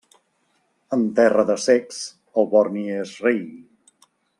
En terra de cecs el borni és rei.